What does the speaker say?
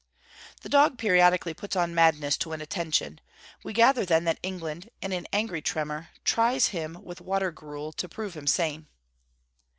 The dog periodically puts on madness to win attention; we gather then that England, in an angry tremour, tries him with water gruel to prove him sane.